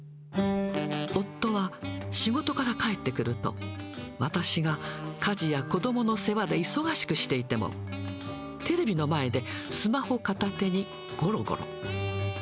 夫は、仕事から帰ってくると、私が家事や子どもの世話で忙しくしていても、テレビの前でスマホ片手に、ごろごろ。